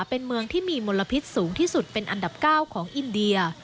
เป็นเมืองที่มีมลพิษสูงที่สุดเป็นอันดับ๙ของอินเดีย